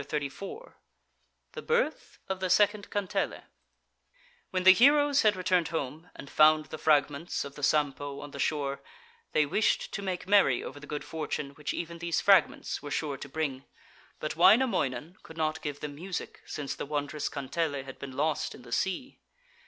THE BIRTH OF THE SECOND KANTELE When the heroes had returned home, and found the fragments of the Sampo on the shore, they wished to make merry over the good fortune which even these fragments were sure to bring, but Wainamoinen could not give them music, since the wondrous kantele had been lost in the sea.